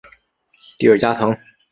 蒂尔加滕。